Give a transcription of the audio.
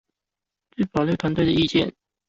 據法律團隊的意見